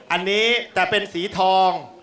อันนี้แต่เป็นสีทอง